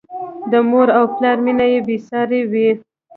د مور او پلار مینه بې سارې وي.